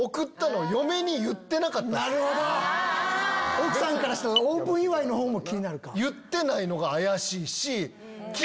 奥さんからしたらオープン祝いの方も気になるか。